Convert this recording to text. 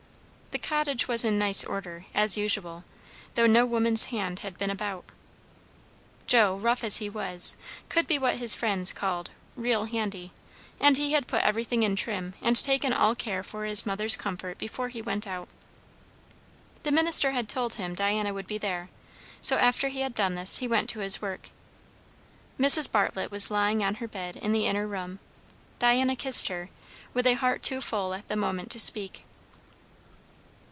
The cottage was in nice order, as usual, though no woman's hand had been about. Joe, rough as he was, could be what his friends called "real handy;" and he had put everything in trim and taken all care for his mother's comfort before he went out. The minister had told him Diana would be there; so after he had done this he went to his work. Mrs. Bartlett was lying on her bed in the inner room. Diana kissed her, with a heart too full at the moment to speak.